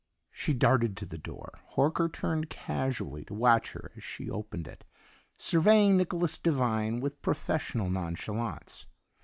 She darted to the door. Horker turned casually to watch her as she opened it, surveying Nicholas Devine with professional nonchalance.